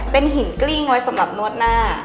เป็นหินกลิ้งไว้สำหรับนวดหน้า